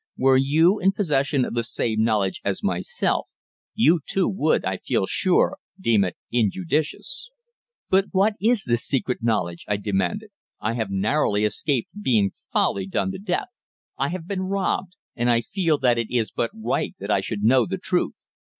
Were you in possession of the same knowledge as myself, you too, would, I feel sure, deem it injudicious." "But what is this secret knowledge?" I demanded. "I have narrowly escaped being foully done to death. I have been robbed, and I feel that it is but right that I should now know the truth."